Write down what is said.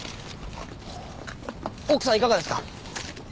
奥さんいかがですか？